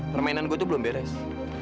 permainan gue tuh belum beres